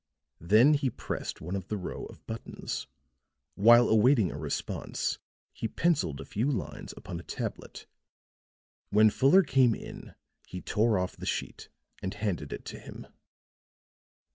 Then he pressed one of the row of buttons. While awaiting a response, he penciled a few lines upon a tablet; when Fuller came in he tore off the sheet and handed it to him.